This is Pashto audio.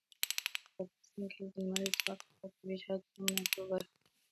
په افغانستان کې د لمریز ځواک لپاره طبیعي شرایط پوره مناسب او برابر دي.